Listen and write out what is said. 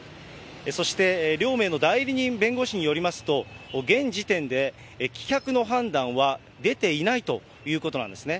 そして、両名の代理人弁護士によりますと、現時点で、棄却の判断は出ていないということなんですね。